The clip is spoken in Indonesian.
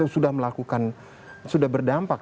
sudah melakukan sudah berdampak